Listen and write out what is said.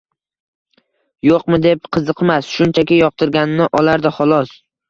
yo'qmi deb qiziqmas, shunchaki yoqtirganini olardi, xolos.